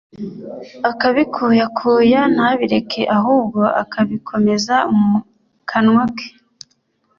akabikuyakuya ntabireke, ahubwo akabikomeza mu kanwa ke,